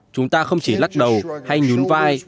chúng ta không chỉ lắc đầu hay nhún vai